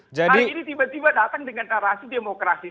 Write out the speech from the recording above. hari ini tiba tiba datang dengan narasi demokrasi